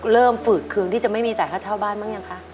เริ่มฝึกคืนที่จะไม่มีจ่ายค่าเช่าบ้านบ้างยังคะ